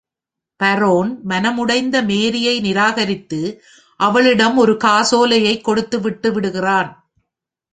Boron மனம் உடைந்த மேரியை நிராகரித்து, அவளிடம் ஒரு காசோலைக் கொடுத்து விட்டுவிடுகிறான்.